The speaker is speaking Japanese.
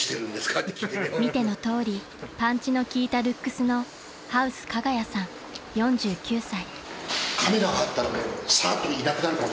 ［見てのとおりパンチの効いたルックスのハウス加賀谷さん４９歳］